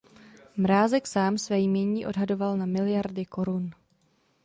Mrázek sám své jmění odhadoval na miliardy korun.